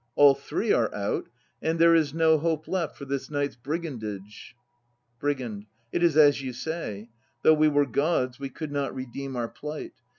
All three are out, and there is no hope left for this night's brigandage. BRIGAND. It is as you say. Though we were gods, we could not redeem our plight.